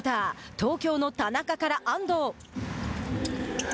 東京の田中から安藤。